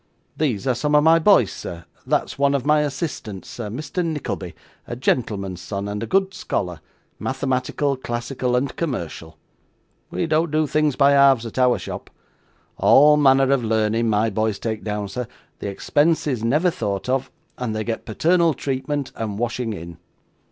These are some of my boys, sir; that's one of my assistants, sir Mr. Nickleby, a gentleman's son, and a good scholar, mathematical, classical, and commercial. We don't do things by halves at our shop. All manner of learning my boys take down, sir; the expense is never thought of; and they get paternal treatment and washing in.